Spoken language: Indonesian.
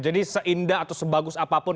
jadi seindah atau sebagus apapun